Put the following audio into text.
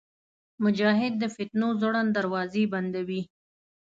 مجاهد د فتنو زوړند دروازې بندوي.